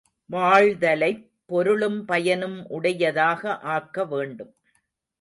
வாழ்தலைப் பொருளும் பயனும் உடையதாக ஆக்க வேண்டும்.